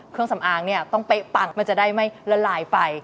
เครื่องสำอางเนี่ยต้องเป๊ะปังมันจะได้ไม่ละลายไป